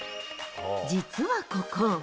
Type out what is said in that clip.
実はここ。